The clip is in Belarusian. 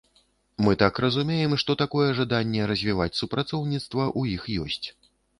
Мы так разумеем, што такое жаданне развіваць супрацоўніцтва ў іх ёсць.